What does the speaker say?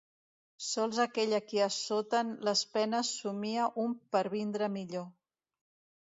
Sols aquell a qui assoten les penes somia un pervindre millor.